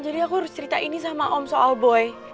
jadi aku harus cerita ini sama om soal boy